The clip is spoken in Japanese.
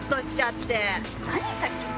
何⁉さっきの。